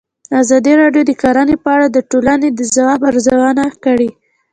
ازادي راډیو د کرهنه په اړه د ټولنې د ځواب ارزونه کړې.